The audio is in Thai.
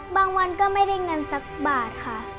วันก็ไม่ได้เงินสักบาทค่ะ